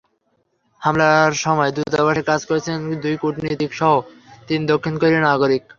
হামলার সময় দূতাবাসে কাজ করছিলেন দুই কূটনীতিকসহ তিন দক্ষিণ কোরীয় নাগরিক।